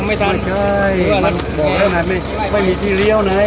ไม่ใช่นะนายพาใกล้ใหม่